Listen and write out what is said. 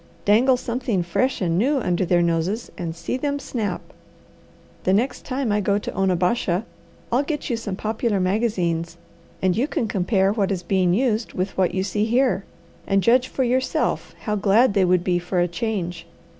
Dangle something fresh and new under their noses and see them snap. The next time I go to Onabasha I'll get you some popular magazines, and you can compare what is being used with what you see here, and judge for yourself how glad they would be for a change.